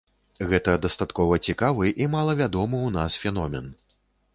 Гэта дастаткова цікавы і малавядомы ў нас феномен.